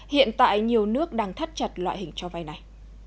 hiện tại nhiều nước đang thắt chặt loại hình cho vay này